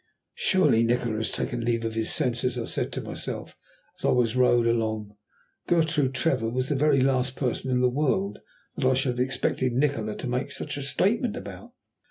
"Surely Nikola has taken leave of his senses," I said to myself as I was rowed along. "Gertrude Trevor was the very last person in the world that I should have expected Nikola to make such a statement about."